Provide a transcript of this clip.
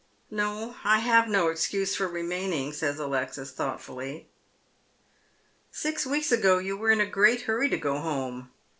" No, I have no excuse for remaining," says Alexis, thought fully. " Six weeks ago you were in a great hurry to go home.